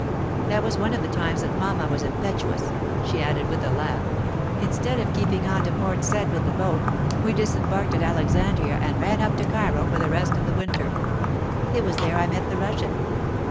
That was one of the times that mamma was impetuous,' she added with a laugh. 'Instead of keeping on to Port Said with the boat, we disembarked at Alexandria and ran up to Cairo for the rest of the winter. It was there I met the Russian.